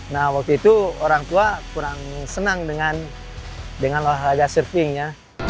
nah waktu itu orang tua kurang senang dengan dengan olahraga surfingnya